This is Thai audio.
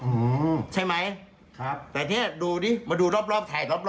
อือหือใช่ไหมแต่นี่ดูนี่มาดูรอบถ่ายรอบ